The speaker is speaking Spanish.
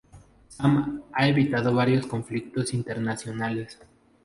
Sam ha evitado varios conflictos internacionales.